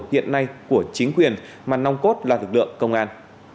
hiện nay của chính quyền mà nòng cốt là lực lượng công an